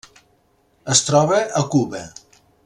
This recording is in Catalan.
Es troba a Cuba.